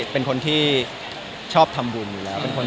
เป็นคนที่ชอบทำบุญอยู่แล้ว